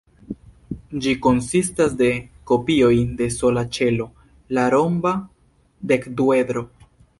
Ĝi konsistas de kopioj de sola ĉelo, la romba dekduedro.